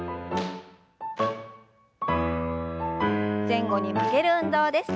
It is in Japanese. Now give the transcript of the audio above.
前後に曲げる運動です。